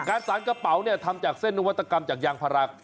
สารกระเป๋าเนี่ยทำจากเส้นนวัตกรรมจากยางพารา